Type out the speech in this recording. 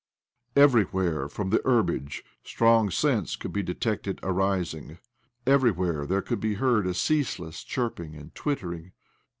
Everywhere from the herbage strong scents could be detected arising ; everywhere there could be heard a ceaseless chirping and twittering.